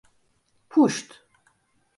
Puşt!